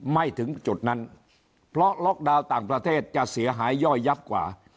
ไม่ถึงจุดนั้นเพราะล็อกดาวน์ต่างประเทศจะเสียหายย่อยยับกว่า